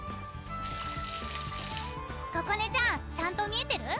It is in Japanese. ここねちゃんちゃんと見えてる？